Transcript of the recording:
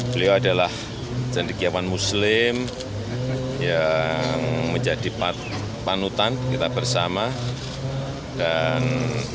beliau adalah cendikiawan muslim yang menjadi panutan kita bersama dan